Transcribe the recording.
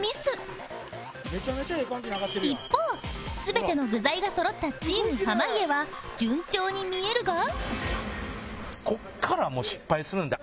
一方全ての具材がそろったチーム濱家は順調に見えるが